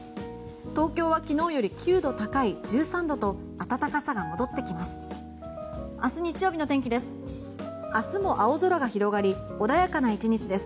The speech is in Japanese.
東京は昨日より９度高い１３度と暖かさが戻ってきます。